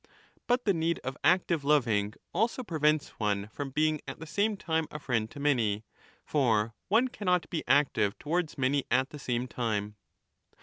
f But the need of active loving also prevents one from being at the same time a friend to many ; for one cannot be 14 active towards many at the same time.